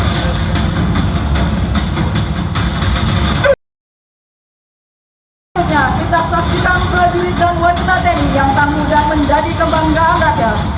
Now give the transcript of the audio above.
selanjutnya kita saksikan pelajurit dan wanita tank yang tangguh dan menjadi kebanggaan rakyat